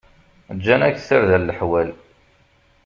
Gǧan-ak-d tarda leḥwal.